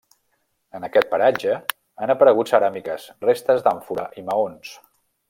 En aquest paratge han aparegut ceràmiques, restes d'àmfora i maons.